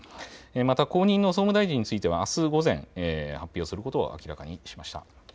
また後任の総務大臣についてはあす午前、発表することを明らかにしました。